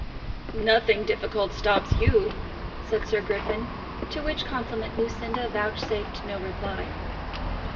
"Nothing difficult stops you," said Sir Griffin; to which compliment Lucinda vouchsafed no reply.